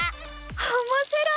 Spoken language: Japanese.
おもしろい！